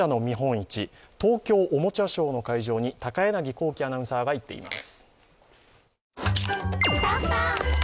市東京おもちゃショーの会場に高柳光希アナウンサーが行っています。